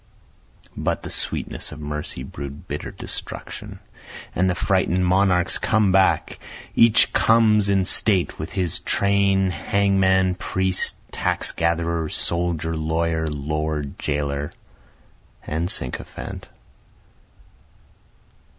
But the sweetness of mercy brew'd bitter destruction, and the frighten'd monarchs come back, Each comes in state with his train, hangman, priest, tax gatherer, Soldier, lawyer, lord, jailer, and sycophant.